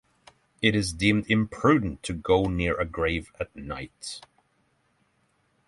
It is deemed imprudent to go near a grave at night.